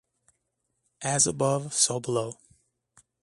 Most recently the focus has been on the Syrian uprising.